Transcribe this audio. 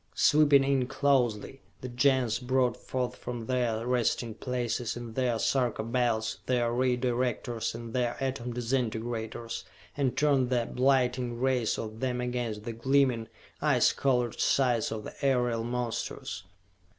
Sweeping in closely, the Gens brought forth from their resting places in their Sarka Belts their Ray Directors and their Atom Disintegrators, and turned the blighting rays of them against the gleaming, ice colored sides of the aerial monsters.